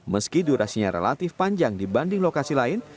meski durasinya relatif panjang dibanding lokasi lain